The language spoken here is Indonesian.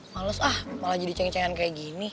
males ah malah jadi ceng cengan kayak gini